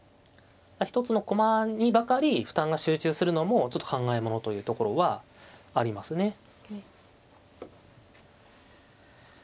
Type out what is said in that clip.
一つの駒にばかり負担が集中するのもちょっと考えものというところはありますね。